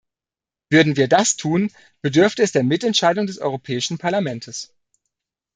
Würden wir das tun, bedürfte es der Mitentscheidung des Europäischen Parlaments.